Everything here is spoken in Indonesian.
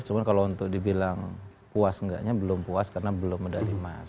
cuma kalau untuk dibilang puas enggaknya belum puas karena belum medali emas